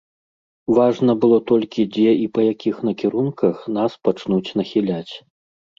Важна было толькі, дзе і па якіх кірунках нас пачнуць нахіляць.